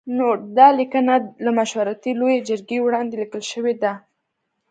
نوټ: دا لیکنه له مشورتي لویې جرګې وړاندې لیکل شوې ده.